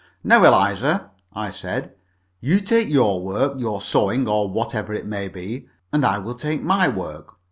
"Now, Eliza," I said, "you take your work, your sewing, or whatever it may be, and I will take my work.